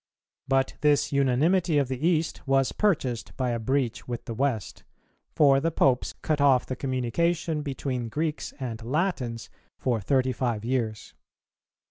But this unanimity of the East was purchased by a breach with the West; for the Popes cut off the communication between Greeks and Latins for thirty five years.